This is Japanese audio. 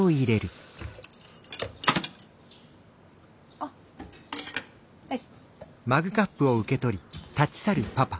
あっはい。